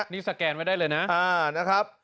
นี่สแกนไว้ได้เลยนะ